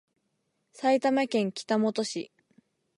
埼玉県北本市